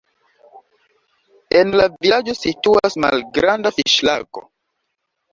En la vilaĝo situas malgranda fiŝlago.